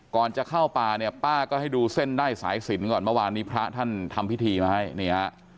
ก่อนจะเข้าป่าเนี่ยป้าก็ให้ดูเส้นได้สายสินก่อนเมื่อวานนี้พระท่านทำพิธีมาให้นี่ฮะ